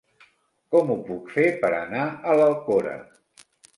Com ho puc fer per anar a l'Alcora?